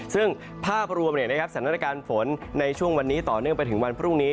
ซึ่งภาพรวมสถานการณ์ฝนในช่วงวันนี้ต่อเนื่องไปถึงวันพรุ่งนี้